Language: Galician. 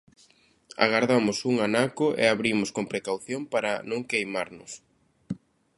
Agardamos un anaco e abrimos con precaución para non queimarnos.